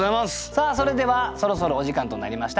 さあそれではそろそろお時間となりました。